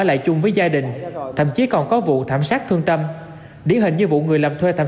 lại chung với gia đình thậm chí còn có vụ thảm sát thương tâm điển hình như vụ người làm thuê thảm